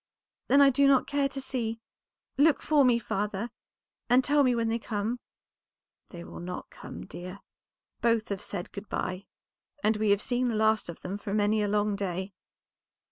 "Then I do not care to see. Look for me, father, and tell me when they come." "They will not come, dear; both have said good by, and we have seen the last of them for many a long day."